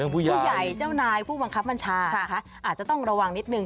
ผู้ใหญ่เจ้านายผู้บังคับบัญชานะคะอาจจะต้องระวังนิดนึง